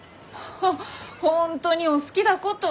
ほ本当にお好きだこと！